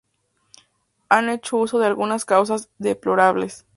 han hecho uso de él algunas causas deplorables